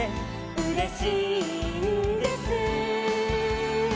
「うれしいんです」